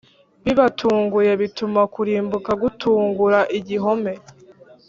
Bibatunguye bituma kurimbuka gutungura igihome